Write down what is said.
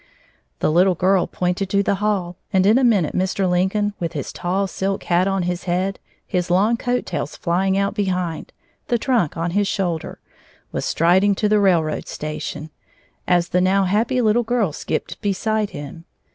The little girl pointed to the hall, and in a minute Mr. Lincoln, with his tall silk hat on his head, his long coat tails flying out behind, the trunk on his shoulder, was striding to the railroad station, as the now happy little girl skipped beside him.